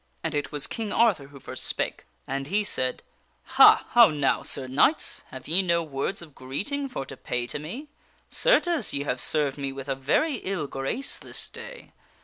And it was King Arthur who first spake. And he said :" Ha ! how now, Sir Knights ? Have ye no words of greeting for to pay to me? Certes, ye have served me with a very ill grace this day.